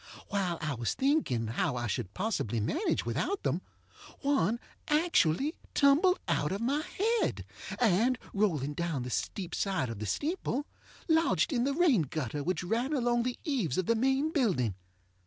While I was thinking how I should possibly manage without them, one actually tumbled out of my head, and, rolling down the steep side of the steeple, lodged in the rain gutter which ran along the eaves of the main building.